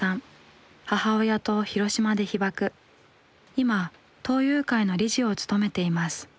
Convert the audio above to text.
今東友会の理事を務めています。